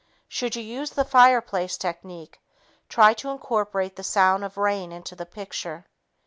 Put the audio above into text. Should you use the fireplace technique, try to incorporate the sound of rain into the picture.